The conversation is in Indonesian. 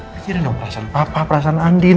gimana perasaan papa perasaan andir